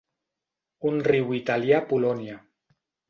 Un riu italià a Polònia.